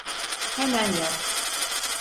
Hemen yap!